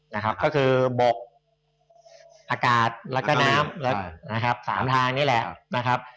นะครับก็คือบกอากาศแล้วก็น้ำสามทางนี่แหละ